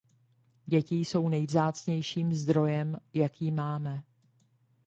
Děti jsou nejvzácnějším zdrojem, jaký máme.